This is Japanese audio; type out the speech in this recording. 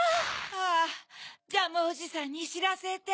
あぁジャムおじさんにしらせて。